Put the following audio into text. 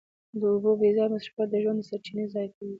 د اوبو بې ځایه مصرفول د ژوند د سرچینې ضایع کول دي.